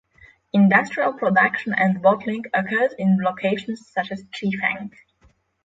Industrial production and bottling occurs in locations such as Chifeng.